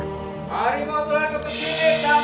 harimau pulang ke sini